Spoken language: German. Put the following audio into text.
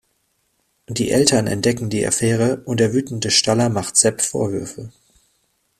Die Eltern entdecken die Affäre, und der wütende Staller macht Sepp Vorwürfe.